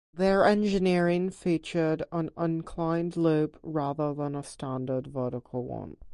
Their engineering featured an inclined loop rather than a standard vertical one.